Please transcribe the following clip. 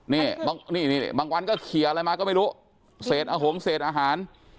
นี่นี่นี่นี่บางวันก็เขียวอะไรมาก็ไม่รู้เสร็จอาหงษ์เสร็จอาหาร